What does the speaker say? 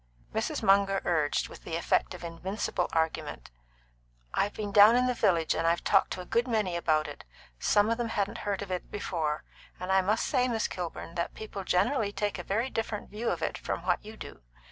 Mrs. Munger urged, with the effect of invincible argument: "I've been down in the village, and I've talked to a good many about it some of them hadn't heard of it before and I must say, Miss Kilburn, that people generally take a very different view of it from what you do.